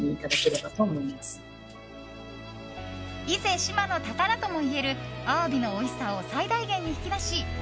伊勢志摩の宝ともいえるアワビのおいしさを最大限に引き出し